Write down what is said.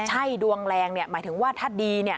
ใช่ดวงแรงหมายถึงว่าถ้าดี